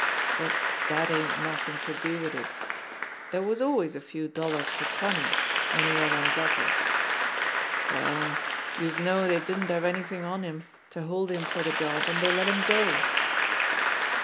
But dat ain't nothin' to do wid it. Dere was always a few dollars for Connie w'en he was on his uppers. Well, youse know dey didn't have anythin' on him to hold him for de job, an' dey let him go."